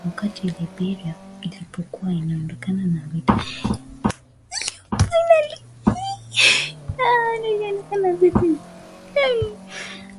wakati Liberia ilipokuwa inaondokana na vita vya wenyewe kwa wenyewe